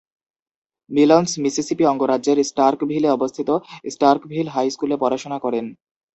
Milon's Mississippi অঙ্গরাজ্যের স্টার্কভিলে অবস্থিত স্টার্কভিল হাই স্কুলে পড়াশোনা করেন।